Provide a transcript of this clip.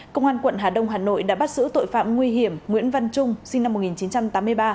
công an quận hà đông hà nội đã bắt giữ tội phạm nguy hiểm nguyễn văn trung sinh năm một nghìn chín trăm tám mươi ba